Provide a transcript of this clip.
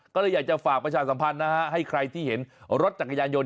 ก็เลยอยากจะฝากประชาสัมพันธ์นะฮะให้ใครที่เห็นรถจักรยานยนต